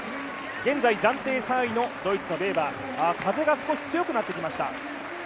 現在、暫定３位のドイツのベーバー、風が少し強くなってきました。